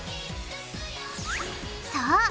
そう！